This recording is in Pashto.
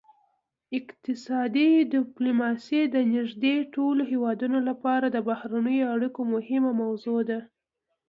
اقتصادي ډیپلوماسي د نږدې ټولو هیوادونو لپاره د بهرنیو اړیکو مهمه موضوع ده